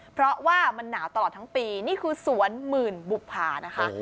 เพราะว่ามันหนาวตลอดทั้งปีนี่คือสวนหมื่นบุภานะคะ